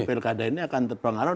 pilkada ini akan terpengaruh